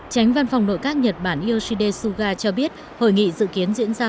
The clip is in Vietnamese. tránh văn phòng nội các nhật bản yoshide suga cho biết hội nghị dự kiến diễn ra